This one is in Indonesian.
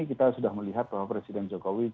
kita sudah melihat bahwa presiden jokowi